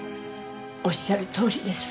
おっしゃるとおりです。